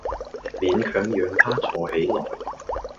勉強讓她坐起來